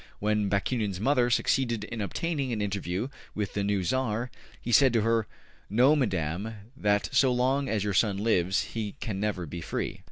When Bakunin's mother succeeded in obtaining an interview with the new Tsar, he said to her, ``Know, Madame, that so long as your son lives, he can never be free.''